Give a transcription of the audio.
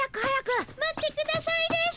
待ってくださいです。